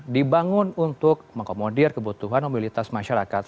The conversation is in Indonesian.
dibangun untuk mengakomodir kebutuhan mobilitas masyarakat